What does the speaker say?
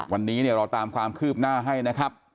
วันนี้เนี่ยเราตามความคืบหน้าให้นะครับ